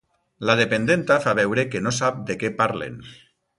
La dependenta fa veure que no sap de què parlen.